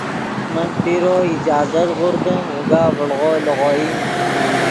من پیرو اجازت غوردیم اوگا ڤڑو لیغوئیم